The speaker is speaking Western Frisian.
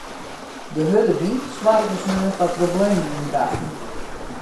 De hurde wyn soarge sneon foar problemen yn Drachten.